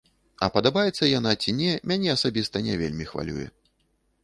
А падабаецца яна ці не, мяне асабіста не вельмі хвалюе.